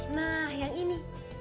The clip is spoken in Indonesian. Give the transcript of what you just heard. nah yang ini